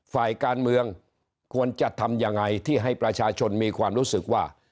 ฝ่ายการเมืองควรจะทำยังไงที่ให้ประชาชนมีความรู้สึกว่า